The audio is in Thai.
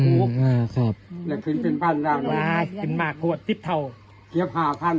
ถูกอ่าครับแต่ขึ้นเป็นพันอ่าขึ้นมาโคตรสิบเท่าเทียบห้าพัน